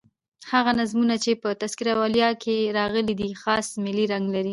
هغه نظمونه چي په "تذکرةالاولیاء" کښي راغلي دي خاص ملي رنګ لري.